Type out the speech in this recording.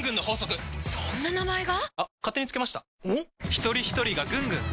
ひとりひとりがぐんぐん！